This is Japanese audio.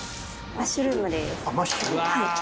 マッシュルーム。